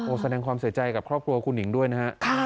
แสดงความเสียใจกับครอบครัวคุณหิงด้วยนะฮะ